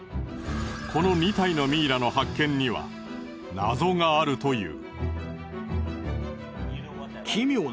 この２体のミイラの発見には謎があるという。